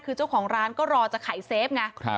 คือเจ้าของร้านก็รอจะขายเซฟไง